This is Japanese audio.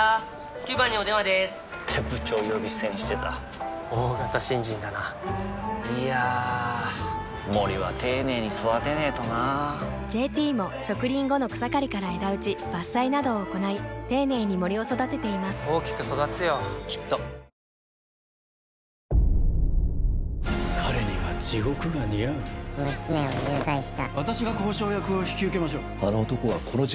９番にお電話でーす！って部長呼び捨てにしてた大型新人だないやー森は丁寧に育てないとな「ＪＴ」も植林後の草刈りから枝打ち伐採などを行い丁寧に森を育てています大きく育つよきっとこのたびはお騒がせいたしました。